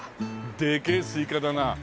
でけえスイカだな。